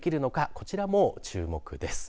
こちらも注目です。